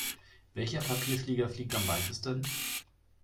Welcher Papierflieger fliegt am weitesten?